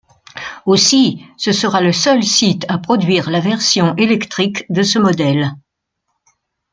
Aussi, ce sera le seul site à produire la version électrique de ce modèle.